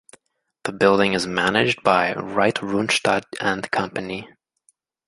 The building is managed by Wright Runstad and Company.